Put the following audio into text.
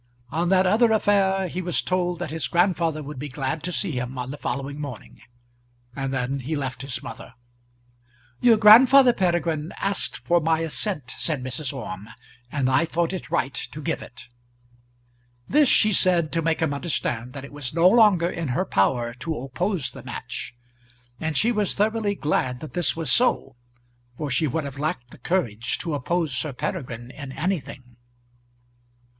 On that other affair he was told that his grandfather would be glad to see him on the following morning; and then he left his mother. "Your grandfather, Peregrine, asked for my assent," said Mrs. Orme; "and I thought it right to give it." This she said to make him understand that it was no longer in her power to oppose the match. And she was thoroughly glad that this was so, for she would have lacked the courage to oppose Sir Peregrine in anything.